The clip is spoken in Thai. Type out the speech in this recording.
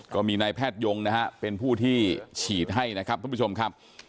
ก็มีนไพร่ฐโยงเป็นผู้ที่ฉีดให้นะครับคุณผู้ชมครับ